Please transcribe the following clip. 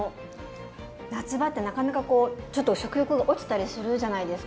夏場ってなかなかこうちょっと食欲が落ちたりするじゃないですか。